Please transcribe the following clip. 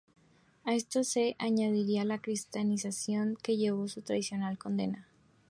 A esto se añadiría la cristianización que llevó su tradicional condena.